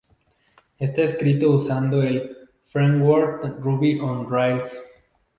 Está escrito usando el framework Ruby on Rails.